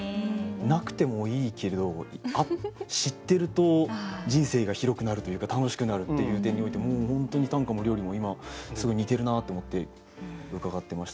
なくてもいいけれど知ってると人生が広くなるというか楽しくなるっていう点においてもう本当に短歌も料理も今すごい似てるなって思って伺ってました。